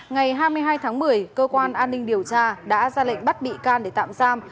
ngày hai mươi hai tháng một mươi cơ quan an ninh điều tra đã ra lệnh bắt bị can để tạm giam